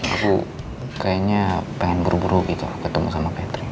aku kayaknya pengen buru buru gitu ketemu sama catering